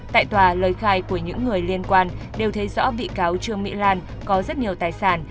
tại tòa lời khai của những người liên quan đều thấy rõ bị cáo trương mỹ lan có rất nhiều tài sản